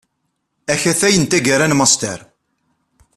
Akatay n taggara n Master.